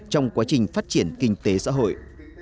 trong quá trình phát triển kinh tế xã hội